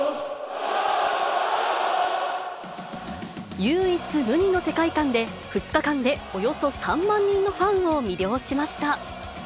唯一無二の世界観で、２日間でおよそ３万人のファンを魅了しました。